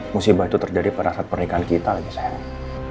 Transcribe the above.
musibah itu terjadi pada saat pernikahan kita lagi sekarang